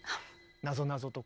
なぞなぞとか。